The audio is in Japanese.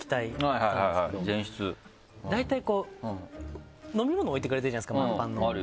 大体飲み物置いてくれてるじゃないですか満タンの。